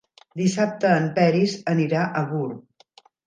Dissabte en Peris anirà a Gurb.